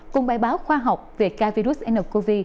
cùng bài báo khoa học về ca virus ncov